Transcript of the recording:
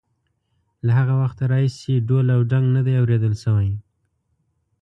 له هغه وخته راهیسې ډول او ډنګ نه دی اورېدل شوی.